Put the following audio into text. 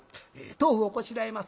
豆腐をこしらえます。